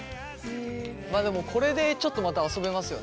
まあでもこれでちょっとまた遊べますよね？